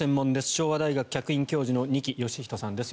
昭和大学客員教授の二木芳人さんです。